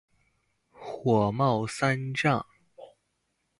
火冒三丈